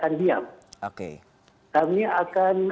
bagaimana sebuah kompetensi yang harus kita lakukan